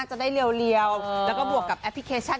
จะได้เรียวแล้วก็บวกกับแอปพลิเคชัน